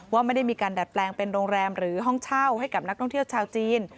ว่าไม่ได้มีการดัดแปลงเป็นโรงแรมหรือห้องเช่าให้กับนักท่องเที่ยวชาวจีน